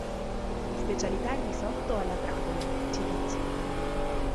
Specialità risotto alla Fragola cit.